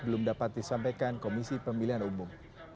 belum dapat disampaikan komisi pemilihan umum